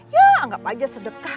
ya anggap aja sedekah